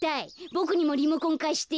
ボクにもリモコンかして。